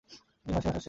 তিনি ফারসি ভাষা শেখেন।